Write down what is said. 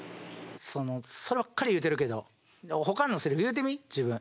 そのそればっかり言うてるけどほかのセリフ言うてみ自分。